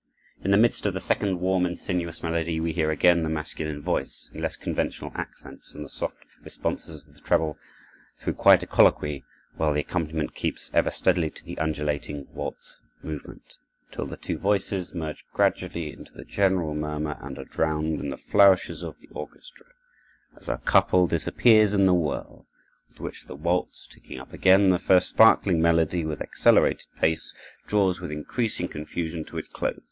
In the midst of the second warm and sinuous melody, we hear again the masculine voice, in less conventional accents, and the soft responses of the treble, through quite a colloquy, while the accompaniment keeps ever steadily to the undulating waltz movement, till the two voices merge gradually into the general murmur and are drowned in the flourishes of the orchestra, as our couple disappears in the whirl, with which the waltz, taking up again the first sparkling melody with accelerated pace, draws with increasing confusion to its close.